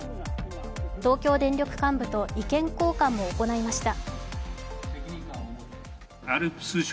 東京電力幹部と意見交換も行いました。